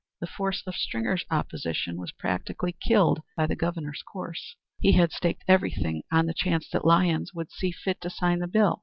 The force of Stringer's opposition was practically killed by the Governor's course. He had staked everything on the chance that Lyons would see fit to sign the bill.